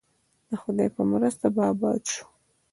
د خدای په مرسته به اباد شو؟